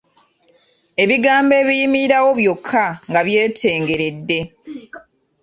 Ebigambo ebiyimirirawo byokka nga byetengeredde.